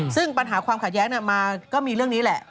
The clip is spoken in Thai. ซึ่งปัญหาความขัดแย้งมาก็มีเรื่องนี้แหละ